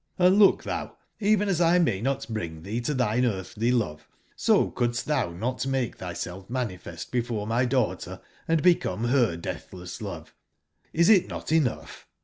Hnd look thou t Gven as 1 may not bring thee to thine earthly love, so couldst thou not make thyself manifest before my daughter, and become her deathless love. Is it not enough?"